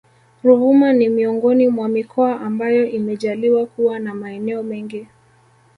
Ruvuma ni miongoni mwa mikoa ambayo imejaliwa kuwa na maeneo mengi